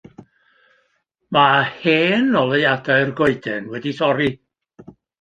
Mae hen oleuadau'r goeden wedi torri.